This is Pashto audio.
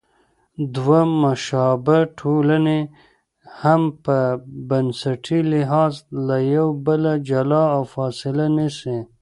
دوه مشابه ټولنې هم په بنسټي لحاظ له یو بله جلا او فاصله نیسي.